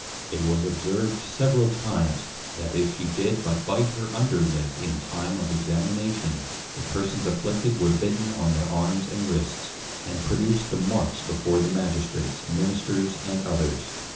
It was observed several times, that if she did but bite her under lip in time of Examination, the Persons afflicted were bitten on their Arms and Wrists, and produced the Marks before the Magistrates, Ministers, and others.